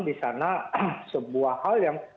di sana sebuah hal yang